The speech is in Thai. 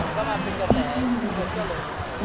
แล้วก็มาฟิลกระแจเที่ยวเลย